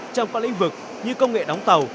trong các lĩnh vực như công nghệ đóng tàu